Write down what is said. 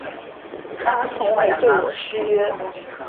他从未对我失约